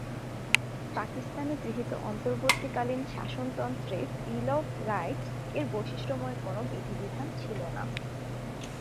পাকিস্তানে গৃহীত অন্তবর্তীকালীন শাসনতন্ত্রে bill of রাইটস-এর বৈশিষ্ট্যময় কোনো বিধিবিধান ছিল না।